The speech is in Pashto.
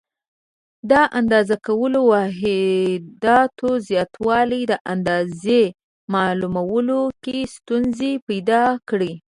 د اندازه کولو واحداتو زیاتوالي د اندازې معلومولو کې ستونزې پیدا کړې.